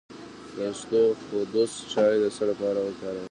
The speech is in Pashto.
د اسطوخودوس چای د څه لپاره وڅښم؟